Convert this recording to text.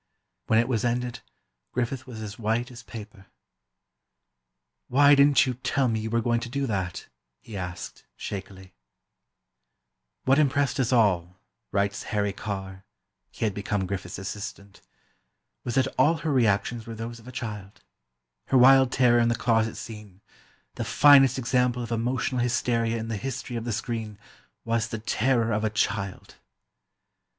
When it was ended, Griffith was as white as paper. "Why didn't you tell me you were going to do that?" he asked, shakily. [Illustration: LILLIAN GISH AND RICHARD BARTHELMESS IN "BROKEN BLOSSOMS"] "What impressed us all," writes Harry Carr (he had become Griffith's assistant), "was that all her reactions were those of a child. Her wild terror in the closet scene—the finest example of emotional hysteria in the history of the screen—was the terror of a child."